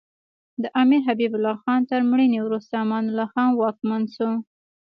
د امیر حبیب الله خان تر مړینې وروسته امان الله خان واکمن شو.